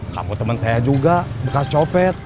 kamu temen saya juga bekas copet